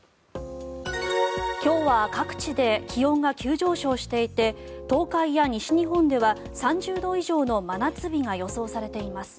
今日は各地で気温が急上昇していて東海や西日本では３０度以上の真夏日が予想されています。